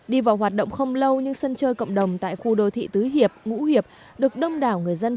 đi vào hoạt động không lâu nhưng sân chơi cộng đồng tại khu đô thị tứ hiệp ngũ hiệp được đông đảo người dân